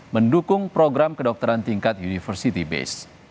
mendukung program kedokteran tingkat university base